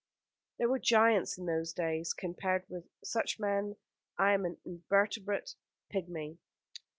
"There were giants in those days. Compared with such men I am an invertebrate pigmy."